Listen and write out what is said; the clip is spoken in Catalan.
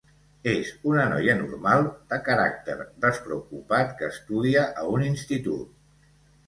És una noia normal, de caràcter despreocupat que estudia a un institut.